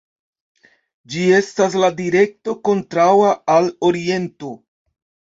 Ĝi estas la direkto kontraŭa al oriento.